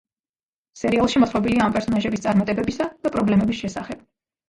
სერიალში მოთხრობილია ამ პერსონაჟების წარმატებებისა და პრობლემების შესახებ.